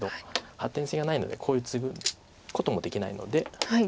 発展性がないのでここへツグこともできないので。